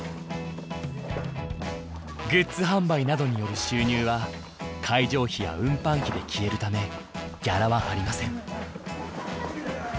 グッズ販売などによる収入は会場費や運搬費で消えるためギャラはありません。